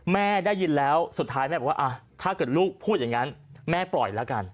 แม่ได้ยินแล้วสุดท้ายแม่บอกว่าถ้าเกิดลูกพูดอย่างนั้นแม่ปล่อยแล้วกัน